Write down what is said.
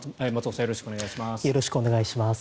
よろしくお願いします。